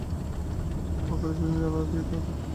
এ সময় বখাটে সুজন জানালা দিয়ে তাদের উত্ত্যক্ত করে।